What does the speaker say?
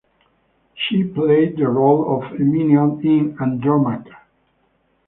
She played the role of Hermione in "Andromaque".